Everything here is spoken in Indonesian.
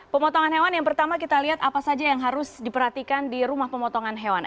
pemotongan hewan yang pertama kita lihat apa saja yang harus diperhatikan di rumah pemotongan hewan